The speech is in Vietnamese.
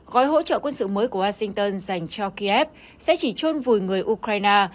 gói hỗ trợ quân sự mới của washington dành cho kiev sẽ chỉ trôn vùi người ukraine